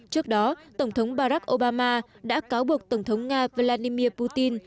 trước đó tổng thống barack obama đã cáo buộc tổng thống nga vladimir putin